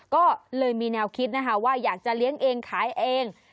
ก็เลยมีแนวคิดนะคะว่าอยากจะเลี้ยงเองขายเอง